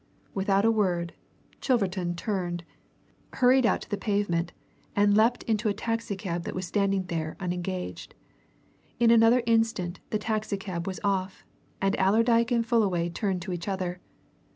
Without a word, Chilverton turned, hurried out to the pavement, and leapt into a taxi cab that was standing there unengaged. In another instant the taxi cab was off, and Allerdyke and Fullaway turned to each other.